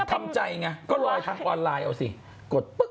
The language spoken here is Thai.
ทำใจไงก็รอทางออนไลน์เอาสิกดปุ๊บ